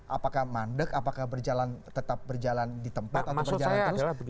apakah mandek apakah tetap berjalan di tempat atau berjalan